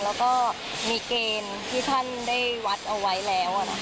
แล้วก็มีเกณฑ์ที่ท่านได้วัดเอาไว้แล้ว